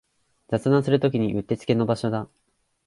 雑談するときにうってつけの場所だ